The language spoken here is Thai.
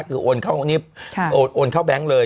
คือโอนเข้านี่โอนเข้าแบงค์เลย